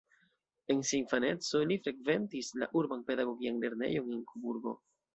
En sia infaneco, li frekventis la urban pedagogian lernejon en Koburgo.